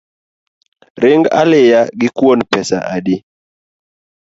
Ring aliya gi kuon pesa adi?